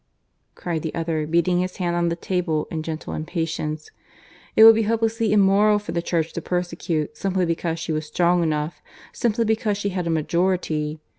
cried the other, beating his hand on the table in gentle impatience; "it would be hopelessly immoral for the Church to persecute simply because she was strong enough simply because she had a majority.